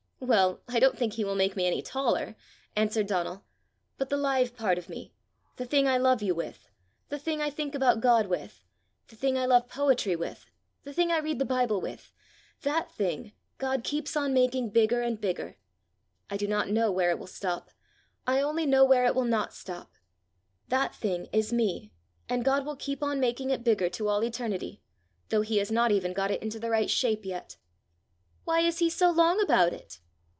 "Well, I don't think he will make me any taller," answered Donal. "But the live part of me the thing I love you with, the thing I think about God with, the thing I love poetry with, the thing I read the Bible with that thing God keeps on making bigger and bigger. I do not know where it will stop, I only know where it will not stop. That thing is me, and God will keep on making it bigger to all eternity, though he has not even got it into the right shape yet." "Why is he so long about it?"